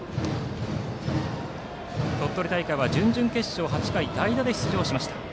鳥取大会は準々決勝に代打で出場しました。